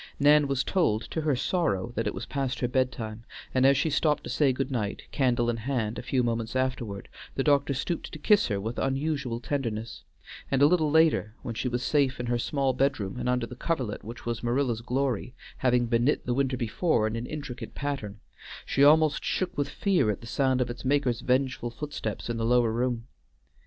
Nan was told, to her sorrow, that it was past her bed time and as she stopped to say good night, candle in hand, a few moments afterward, the doctor stooped to kiss her with unusual tenderness, and a little later, when she was safe in her small bedroom and under the coverlet which was Marilla's glory, having been knit the winter before in an intricate pattern, she almost shook with fear at the sound of its maker's vengeful footsteps in the lower room.